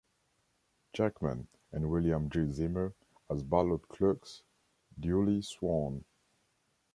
Jackman and William G. Ziemer as ballot clerks, duly sworn.